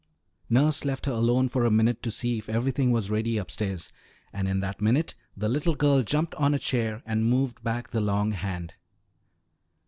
Nurse left her alone for a minute to see if everything was ready upstairs, and in that minute the little girl jumped on a chair and moved back the long hand.